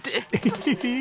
ヘヘヘッ。